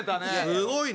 すごいね。